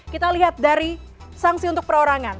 kita lihat dari sanksi untuk perorangan